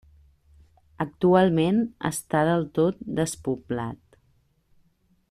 Actualment està del tot despoblat.